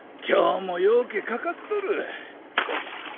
今日もようけかかっとる！